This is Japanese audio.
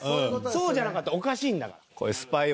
そうじゃなかったらおかしいんだから。